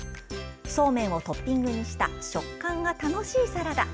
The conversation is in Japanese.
そうめんをトッピングにした食感が楽しいサラダ。